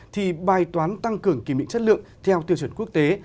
thì bài toán tăng cường kiểm định chất lượng theo tiêu chuẩn quốc tế